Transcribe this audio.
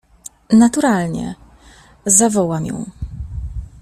— Naturalnie… zawołam ją.